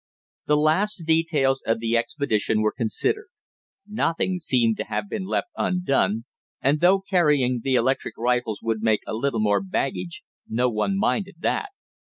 The last details of the expedition were considered. Nothing seemed to have been left undone, and though carrying the electric rifles would make a little more baggage, no one minded that.